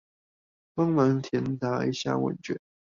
幫忙填答一下問卷